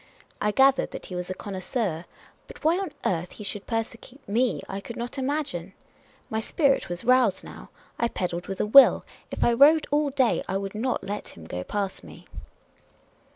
I gathered that he was a connoisseur ; but why on earth he should persecute me I could not imagine. My spirit was roused now— I pedalled with a will; if I rode all day I would not let him go past me.